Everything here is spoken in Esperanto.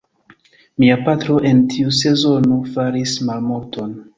Mia patro en tiu sezono faris malmulton.